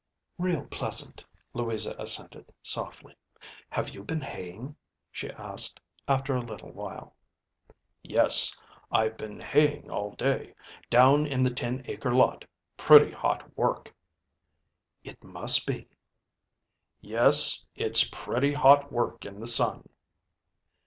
"Real pleasant," Louisa assented, softly. "Have you been haying?" she asked, after a little while. "Yes, I've been haying all day, down in the ten acre lot. Pretty hot work." "It must be." "Yes, it's pretty hot work in the sun."